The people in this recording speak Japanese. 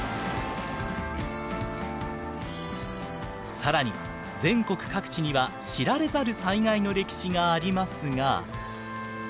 更に全国各地には知られざる災害の歴史がありますが。